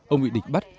ông bị địch bắt